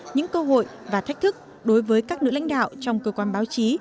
những cơ hội và thách thức đối với các nữ lãnh đạo trong cơ quan báo chí